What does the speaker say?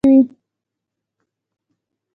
ولله که مې اوغانۍ لا گټلې وي.